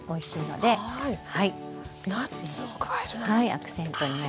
アクセントになります。